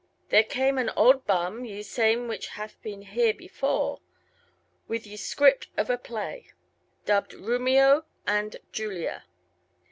There came an olde Bumme (ye same wch hath beene heare before) wth ye Scrypte of a Playe, dubbed Roumio ande Julia.